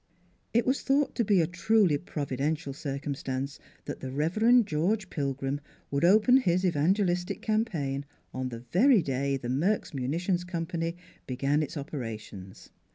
It was thought to be a truly providential circumstance that the Rev. George Pilgrim would open his evangelistic cam paign on the very day the Merks Munitions Company began its operations.